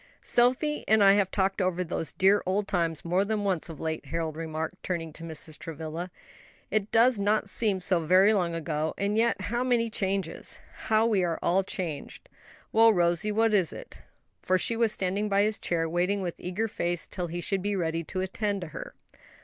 "Sophie and I have talked over those dear old times more than once, of late," Harold remarked, turning to Mrs. Travilla. "It does not seem so very long ago, and yet how many changes! how we are changed! Well, Rosie, what is it?" for she was standing by his chair, waiting with eager face till he should be ready to attend to her.